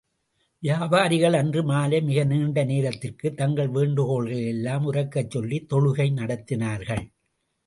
வியாபாரிகள் அன்று மாலை மிக நீண்ட நேரத்திற்கு, தங்கள் வேண்டுகோள்களையெல்லாம் உரக்கச் சொல்லித் தொழுகை நடத்தினார்கள்.